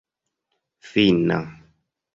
finna